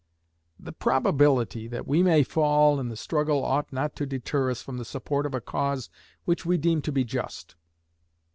The probability that we may fall in the struggle ought not to deter us from the support of a cause which we deem to be just.